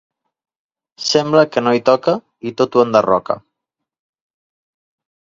Sembla que no hi toca i tot ho enderroca.